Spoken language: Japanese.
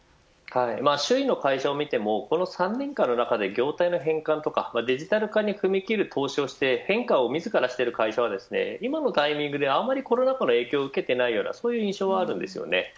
周囲の会社を見てもこの３年間の中で業態の変換とかデジタル化に踏み切る交渉をして変化を自らしている会社は今のタイミングで、あまりコロナ禍の影響を受けていないような印象があります。